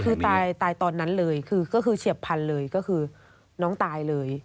คือตายตอนนั้นเลยคือก็คือเฉียบพันธุ์เลยก็คือน้องตายเลย